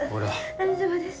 大丈夫です。